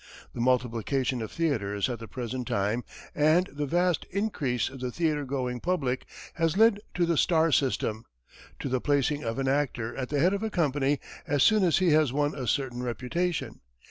The multiplication of theatres at the present time, and the vast increase of the theatre going public, has led to the "star" system to the placing of an actor at the head of a company, as soon as he has won a certain reputation.